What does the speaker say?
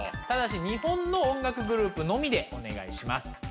ただし日本の音楽グループのみでお願いします。